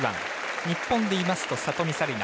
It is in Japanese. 日本でいいますと里見紗李奈。